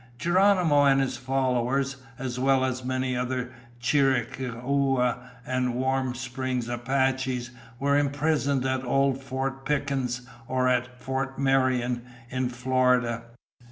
Geronimo and his followers, as well as many other Chiricahua and Warm Springs Apaches, were imprisoned at old Fort Pickens, or at Fort Marion, in Florida.